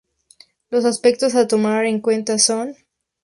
Los aspectos a tomar en cuenta son